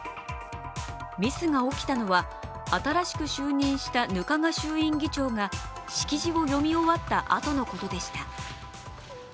ミスが起きたのは新しく就任した額賀衆院議長が式辞を読み終わったあとのことでした。